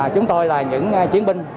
chúng tôi là những chiến binh